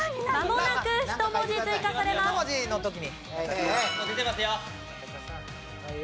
もう出てますよ！